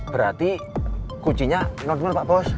berarti kuncinya non mail pak bos